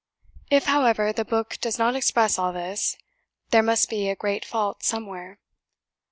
If, however, the book does not express all this, there must be a great fault somewhere.